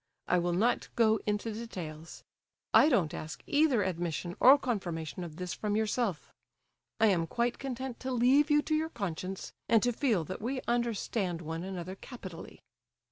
I will not go into details. I don't ask either admission or confirmation of this from yourself; I am quite content to leave you to your conscience, and to feel that we understand one another capitally."